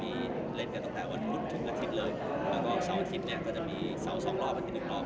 มีเล่นกันตั้งแต่วันพุธถึงอาทิตย์เลยแล้วก็เสาร์อาทิตย์เนี่ยก็จะมีเสาสองรอบอาทิตย์หนึ่งรอบ